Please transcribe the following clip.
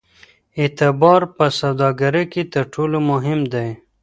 اعتبار په سوداګرۍ کې تر ټولو مهم دی.